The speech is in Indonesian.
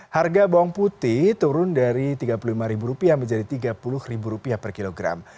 harga bawang putih turun dari rp tiga puluh lima menjadi rp tiga puluh per kilogram